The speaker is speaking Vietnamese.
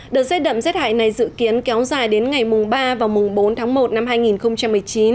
đợt rét đậm rét hại này dự kiến kéo dài đến ngày mùng ba và mùng bốn tháng một năm hai nghìn một mươi chín